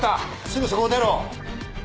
すぐそこを出ろ。